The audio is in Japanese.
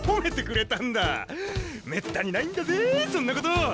めったにないんだぜそんなこと！